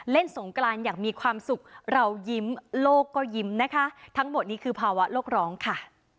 สงกรานอย่างมีความสุขเรายิ้มโลกก็ยิ้มนะคะทั้งหมดนี้คือภาวะโลกร้องค่ะ